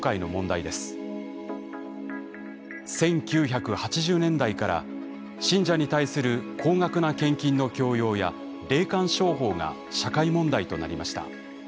１９８０年代から信者に対する高額な献金の強要や霊感商法が社会問題となりました。